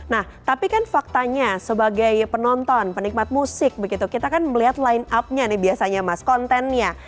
nah tapi kan faktanya sebagai penonton penikmat musik begitu kita kan melihat line up nya nih biasanya mas kontennya